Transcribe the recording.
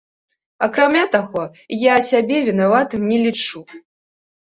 Акрамя таго, я сябе вінаватым не лічу.